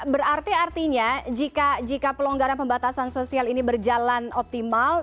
berarti artinya jika pelonggaran pembatasan sosial ini berjalan optimal